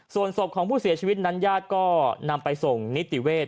ส่วนศพของผู้เสียชีวิตนั้นญาติก็นำไปส่งนิติเวศ